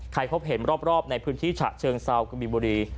พบเห็นรอบในพื้นที่ฉะเชิงเซากะบินบุรี